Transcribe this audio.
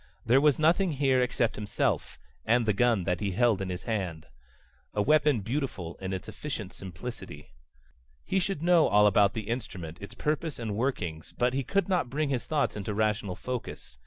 There was nothing here except himself and the gun that he held in his hand. A weapon beautiful in its efficient simplicity. He should know all about the instrument, its purpose and workings, but he could not bring his thoughts into rational focus.